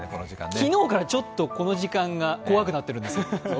昨日からちょっとこの時間が怖くなってます。